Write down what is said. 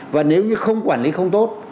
và nếu như không quản lý không tốt